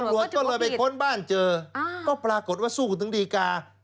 ตำรวจก็เลยไปค้นบ้านเจอก็ปรากฏว่าสู้กันถึงดีกา